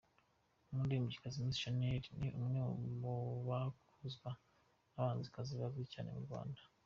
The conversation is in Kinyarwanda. Umuririmbyikazi Miss Shanel, ni umwe mu bakozwa b’abahanzikazi bazwi cyane mu Rwanda.